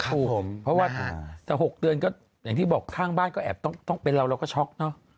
เพราะว่าแต่๖เดือนก็อย่างที่บอกข้างบ้านก็แอบต้องเป็นเราเราก็ช็อกเนอะ